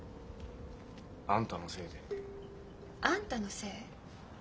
「あんたのせいで」。あんたのせい？